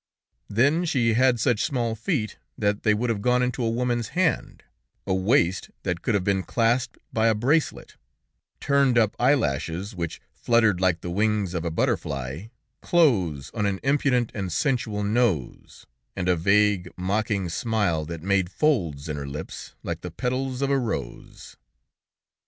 Then she had such small feet that they would have gone into a woman's hand, a waist that could have been clasped by a bracelet, turned up eyelashes, which fluttered like the wings of a butterfly, close on an impudent and sensual nose, and a vague, mocking smile that made folds in her lips, like the petals of a rose.